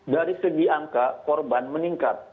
dari segi angka korban meningkat